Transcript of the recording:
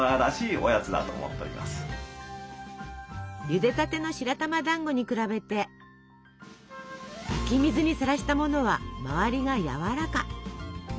ゆでたての白玉だんごに比べて湧き水にさらしたものは周りがやわらか。